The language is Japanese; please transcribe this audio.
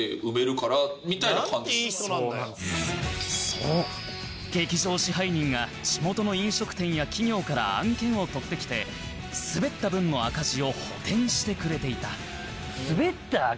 そう劇場支配人が地元の飲食店や企業から案件を取ってきてスベった分の赤字を補填してくれていた